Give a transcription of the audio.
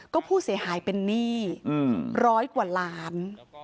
ก็ผู้เสียหายเป็นหนี้ร้อยกว่าล้าน